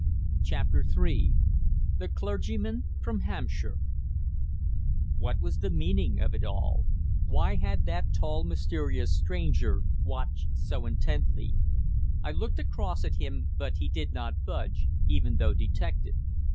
CHAPTER THREE THE CLERGYMAN FROM HAMPSHIRE What was the meaning of it all? Why had that tall, mysterious stranger watched so intently? I looked across at him, but he did not budge, even though detected.